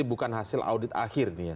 belum hasil audit akhir ini ya